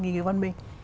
như cái văn minh